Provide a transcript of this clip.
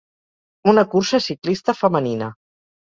Una cursa ciclista femenina.